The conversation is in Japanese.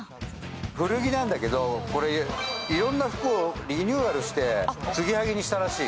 古着なんだけど、いろんな服をリニューアルしてつぎはぎしたらしい。